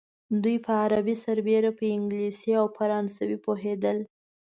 دوی په عربي سربېره په انګلیسي او فرانسوي پوهېدل.